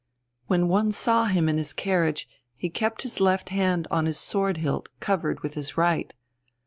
When one saw him in his carriage, he kept his left hand on his sword hilt covered with his right.